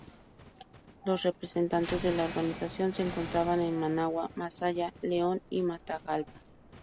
Los representantes de la organización se encontraban en Managua, Masaya, León y Matagalpa.